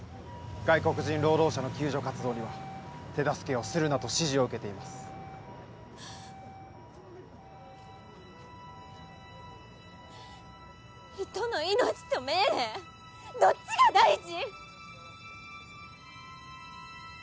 外国人労働者の救助活動には手助けをするなと指示を受けています人の命と命令どっちが大事！？